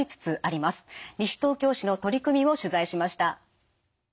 西東京市の取り組みを取材しました。